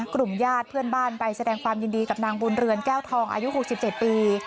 กลุ่มญาติเพื่อนบ้านไปแสดงความยินดีกับนางบุญเรือนแก้วทองอายุ๖๗ปี